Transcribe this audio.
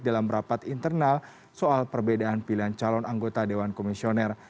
dalam rapat internal soal perbedaan pilihan calon anggota dewan komisioner